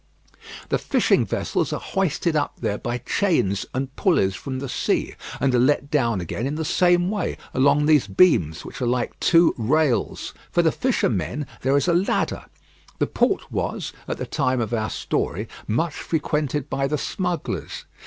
The fishing vessels are hoisted up there by chains and pulleys from the sea, and are let down again in the same way along these beams, which are like two rails. For the fishermen there is a ladder. The port was, at the time of our story, much frequented by the smugglers.